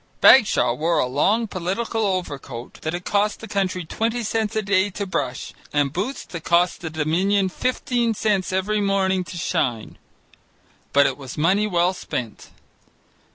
Bagshaw wore a long political overcoat that it cost the country twenty cents a day to brush, and boots that cost the Dominion fifteen cents every morning to shine. But it was money well spent.